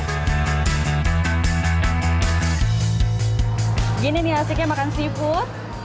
gini nih asiknya makan seafood